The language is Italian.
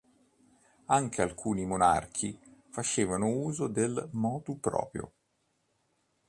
Anche alcuni monarchi facevano uso del "motu proprio".